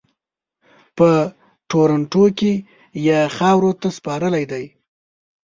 په ټورنټو کې یې خاورو ته سپارلی دی.